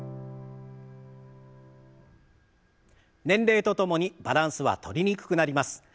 年齢とともにバランスはとりにくくなります。